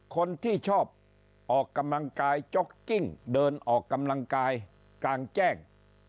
คนที่ชอบออกกำลังกายจ๊อกกิ้งเดินออกกำลังกายกลางแจ้ง